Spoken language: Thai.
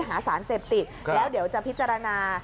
หาสารเสพติดแล้วเดี๋ยวจะพิจารณา